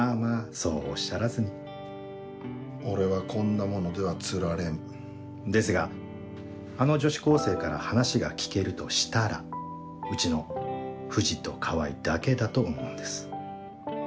そうおっしゃらずに俺はこんなものでは釣られんですがあの女子高生から話が聞けるとしたらうちの藤と川合だけだと思うんです